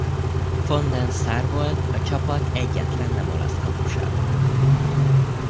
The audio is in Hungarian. Van der Sar volt a csapat egyetlen nem olasz kapusa.